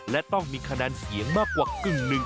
และต้องมีคะแนนเสียงมากกว่ากึ่งหนึ่ง